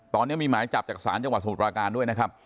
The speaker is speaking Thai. ตอนนี้มีหมายจับจากศาลจังหวัดสมุทรปราการด้วยนะครับ